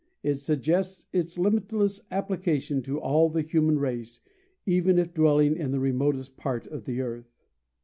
It suggests its limitless application to all the human race, even if dwelling in the remotest part of the earth.